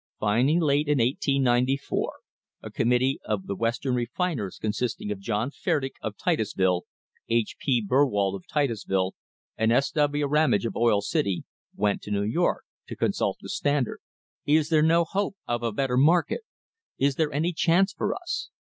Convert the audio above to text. Finally, late in 1894, a committee of the Western refiners, consisting of John Fertig of Titusville, H. P. Burwald of Titusville and S. W. Ramage of Oil City, went to New York to consult the Standard. Is there no hope of a better market? Is there any chance for us?